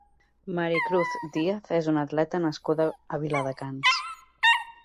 Mari Cruz Díaz és una atleta nascuda a Viladecans.